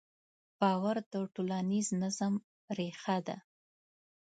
باور د ټولنیز نظم ریښه ده.